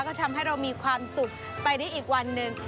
ก็ทำให้เรามีความสุขไปได้อีกวันหนึ่ง